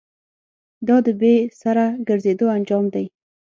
دا د بې سره گرځېدو انجام دی.